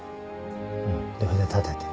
うん。で筆立てて